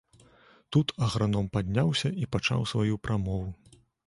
Тут аграном падняўся і пачаў сваю прамову.